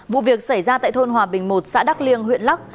vụ việc xảy ra tại thôn hòa bình một xã đắc liêng huyện lắc